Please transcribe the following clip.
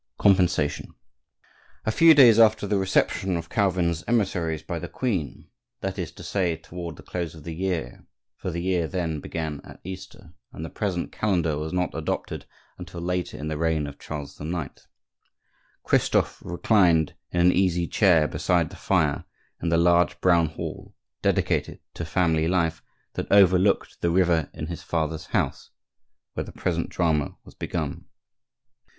COMPENSATION A few days after the reception of Calvin's emissaries by the queen, that is to say, toward the close of the year (for the year then began at Easter and the present calendar was not adopted until later in the reign of Charles IX.), Christophe reclined in an easy chair beside the fire in the large brown hall, dedicated to family life, that overlooked the river in his father's house, where the present drama was begun.